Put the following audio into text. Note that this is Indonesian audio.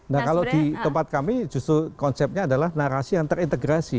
nah kalau di tempat kami justru konsepnya adalah narasi yang terintegrasi